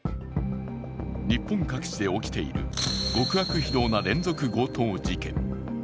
日本各地で起きている極悪非道な連続強盗事件。